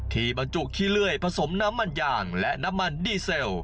บรรจุขี้เลื่อยผสมน้ำมันยางและน้ำมันดีเซล